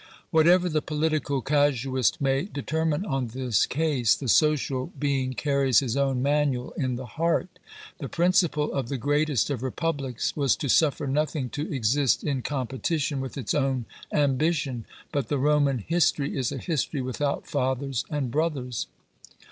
Whatever the political casuist may determine on this case, the social being carries his own manual in the heart. The principle of the greatest of republics was to suffer nothing to exist in competition with its own ambition; but the Roman history is a history without fathers and brothers!